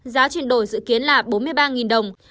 giá chuyển đổi dự kiến là bốn mươi ba đồng